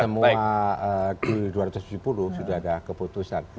semua di dua ratus tujuh puluh sudah ada keputusan